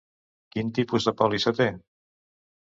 Quin tipus de pòlissa té?